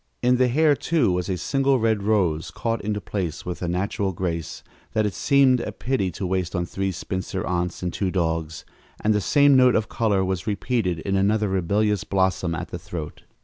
In the hair, too, was a single red rose, caught into place with a natural grace that it seemed a pity to waste on three spinster aunts and two dogs, and the same note of color was repeated in another rebellious blossom at the throat.